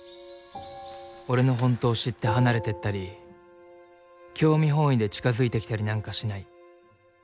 俺のほんとを知って離れてったり興味本位で近づいてきたりなんかしない。